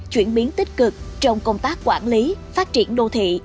chuyển biến tích cực trong công tác quản lý phát triển đô thị